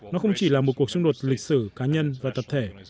nó không chỉ là một cuộc xung đột lịch sử cá nhân và tập thể